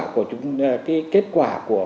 cái kết quả của